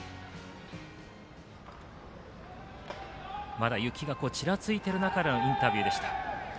まだ雪がちらついている中でのインタビューでした。